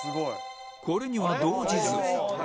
これには動じず